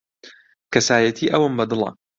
کەسایەتیی ئەوم بەدڵە.